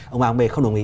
ông a ông b không đồng ý